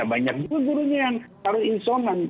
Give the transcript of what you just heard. banyak juga gurunya yang harus isoman